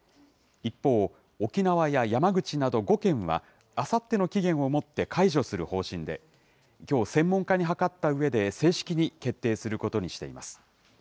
一方、沖縄や山口など５県は、あさっての期限をもって解除する方針で、きょう専門家に諮ったうえで、正式に決定することにしています。